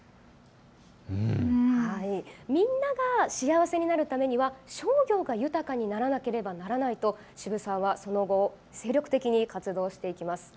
みんなが幸せになるためには商業が豊かにならなければならないと渋沢はこの後、精力的に活動していきます。